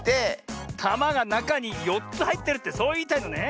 たまがなかに４つはいってるってそういいたいのね。